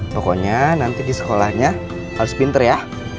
pokoknya nanti di sekolahnya harus pinter ya